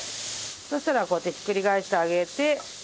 そしたらこうやってひっくり返してあげて。